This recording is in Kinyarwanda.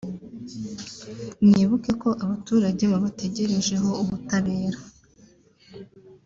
mwibuke ko abaturage babategerejeho ubutabera